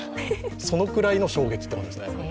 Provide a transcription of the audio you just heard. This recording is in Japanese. そのくらいの衝撃ということですね。